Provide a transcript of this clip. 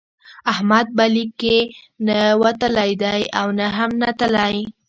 احمد به لیک کې نه وتلی دی او نه هم نتلی.